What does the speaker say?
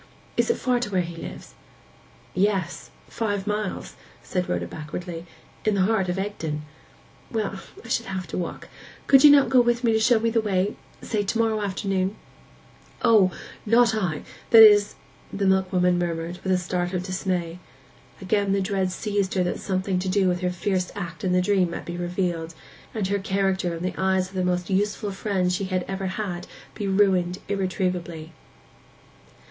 Is it far to where he lives?' 'Yes—five miles,' said Rhoda backwardly. 'In the heart of Egdon.' 'Well, I should have to walk. Could not you go with me to show me the way—say to morrow afternoon?' 'O, not I—that is,' the milkwoman murmured, with a start of dismay. Again the dread seized her that something to do with her fierce act in the dream might be revealed, and her character in the eyes of the most useful friend she had ever had be ruined irretrievably.